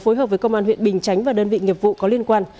phối hợp với công an huyện bình chánh và đơn vị nghiệp vụ có liên quan